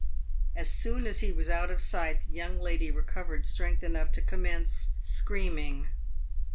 As soon as he was out of sight, the young lady recovered strength enough to commence screaming.